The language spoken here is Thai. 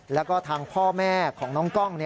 แล้วก็ทางพ่อแม่ของน้องกล้อง